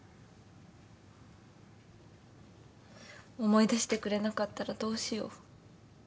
思い出してくれなかったらどうしよう。